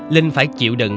linh phải chịu đựng